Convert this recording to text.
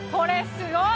すごい！